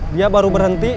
dia baru berhenti